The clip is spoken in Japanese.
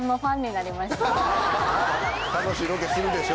楽しいロケするでしょ？